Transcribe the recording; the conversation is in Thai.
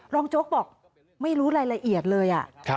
โจ๊กบอกไม่รู้รายละเอียดเลย